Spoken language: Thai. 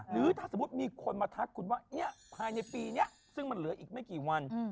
หรือถ้าสมมุติมีคนมาทักคุณว่าภายในปีนี้ซึ่งมันเหลืออีกไม่กี่วัน